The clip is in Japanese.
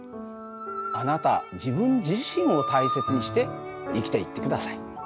あなた自分自身を大切にして生きていって下さい。